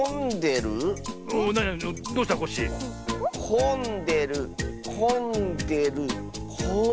こんでるこんでるこん。